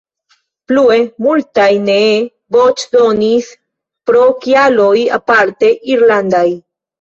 Plue, multaj nee voĉdonis pro kialoj aparte irlandaj.